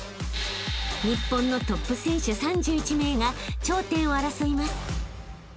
［日本のトップ選手３１名が頂点を争います］